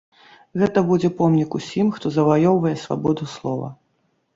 Гэта будзе помнік усім, хто заваёўвае свабоду слова.